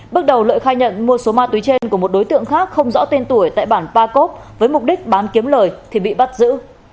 bước đầu lợi khai nhận mua số ma túy trên của một đối tượng khác không rõ tên tuổi tại bản pacop với mục đích bán kiếm lời thì bị bắt giữ